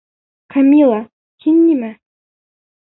Камила, һин нимә?